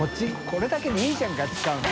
これだけでいいじゃんか使うの。